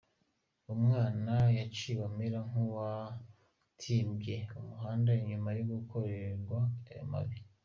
Uwo mwana yaciye amera nk'uwatimvye uruhande inyuma yo gukoregwa ayo mabi.